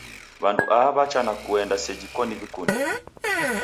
W'andu aha w'acha na kuenda seji koni w'ikunde.